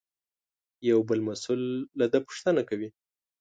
یو بل مسوول له ده پوښتنه کوي.